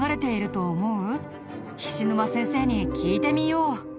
菱沼先生に聞いてみよう。